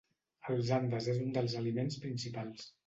Als Andes és un dels aliments principals.